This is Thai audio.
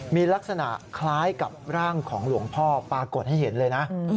มีลักษณะคล้ายกับร่างของหลวงพ่อปรากฏให้เห็นเลยนะ